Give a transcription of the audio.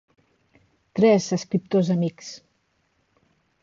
Tres escriptors amics.